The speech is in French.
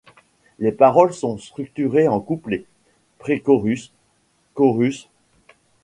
Les paroles sont structurées en couplet – pré-chorus – chorus.